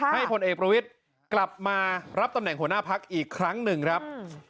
พลเอกประวิทย์กลับมารับตำแหน่งหัวหน้าพักอีกครั้งหนึ่งครับ